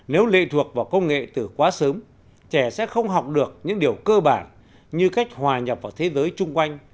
nếu lệ thuộc vào công nghệ từ quá sớm trẻ sẽ không học được những điều cơ bản như cách hòa nhập vào thế giới chung quanh